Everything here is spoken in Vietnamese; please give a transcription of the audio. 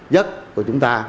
giấc của chúng ta